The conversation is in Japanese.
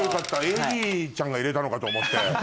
ＡＤちゃんが入れたのかと思って。